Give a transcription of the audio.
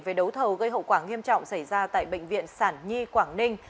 về đấu thầu gây hậu quả nghiêm trọng xảy ra tại bệnh viện sản nhi quảng ninh